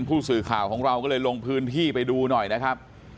ผู้สื่อข่าวของเราก็เลยลงพื้นที่ไปดูหน่อยนะครับ